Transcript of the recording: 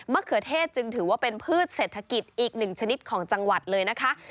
เขือเทศจึงถือว่าเป็นพืชเศรษฐกิจอีกหนึ่งชนิดของจังหวัดเลยนะคะ